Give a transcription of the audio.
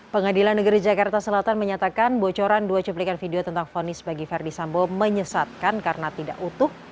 pengadilan negeri jakarta selatan menyatakan bocoran dua cuplikan video tentang fonis bagi verdi sambo menyesatkan karena tidak utuh